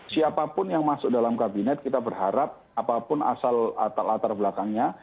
siapapun yang masuk dalam kabinet kita berharap apapun asal latar belakangnya